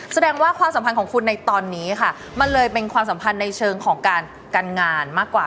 แสดงความสัมพันธ์ของคุณในตอนนี้ค่ะมันเลยเป็นความสัมพันธ์ในเชิงของการงานมากกว่า